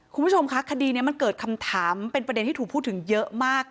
คุณผู้ชมคะคดีนี้มันเกิดคำถามเป็นประเด็นที่ถูกพูดถึงเยอะมาก